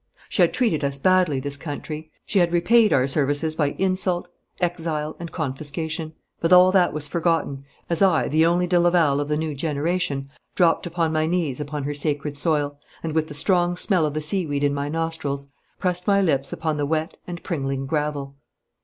She had treated us badly, this country; she had repaid our services by insult, exile, and confiscation. But all that was forgotten as I, the only de Laval of the new generation, dropped upon my knees upon her sacred soil, and, with the strong smell of the seaweed in my nostrils, pressed my lips upon the wet and pringling gravel.